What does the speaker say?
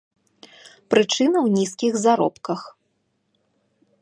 Прычына ў нізкіх заробках.